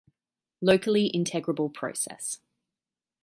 Locally Integrable Process.